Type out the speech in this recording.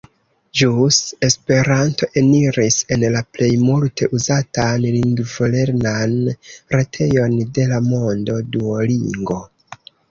Ĵus Esperanto eniris en la plej multe uzatan lingvolernan retejon de la mondo, Duolingo.